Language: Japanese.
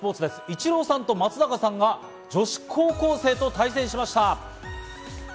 イチローさんと松坂さんが女子高校生と対戦しました。